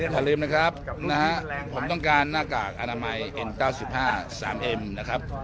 อย่าลืมนะครับนะฮะผมต้องการหน้ากากอนามัยเอ็นเก้าสิบห้าสามเอ็มนะครับ